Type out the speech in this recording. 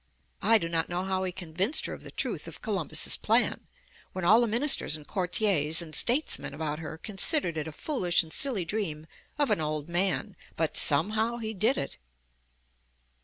I do not know how he convinced her of the truth of Columbus* plan, when all the ministers and courtiers and statesmen about her considered it the foolish and silly dream of an old man; but, somehow, he did it.